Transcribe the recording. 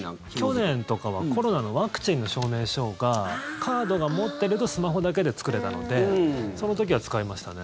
去年とかはコロナのワクチンの証明書がカードを持ってるとスマホだけで作れたのでその時は使いましたね。